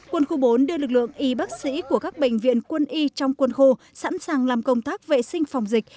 quân khu bốn đưa lực lượng y bác sĩ của các bệnh viện quân y trong quân khu sẵn sàng làm công tác vệ sinh phòng dịch